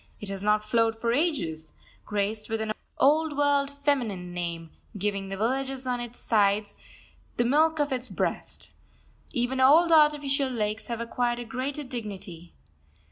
It has not flowed for ages, graced with an old world feminine name, giving the villages on its sides the milk of its breast. Even old artificial lakes have acquired a greater dignity.